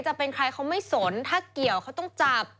จะเป็นใครเขาไม่สนถ้าเกี่ยวเขาต้องจับ